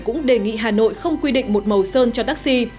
cũng đề nghị hà nội không quy định một màu sơn cho taxi